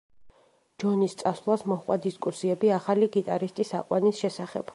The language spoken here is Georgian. ჯონის წასვლას მოჰყვა დისკუსიები ახალი გიტარისტის აყვანის შესახებ.